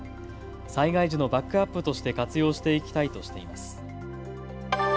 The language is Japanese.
災害時のバックアップとして活用していきたいとしています。